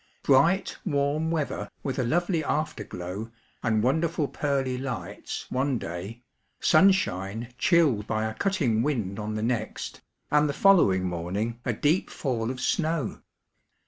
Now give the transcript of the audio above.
Bright, warm weather, with a lovely after glow and wonderful pearly lights one day, sunshine chilled by a cutting wind on the next, and the following morning a deep fall of snow.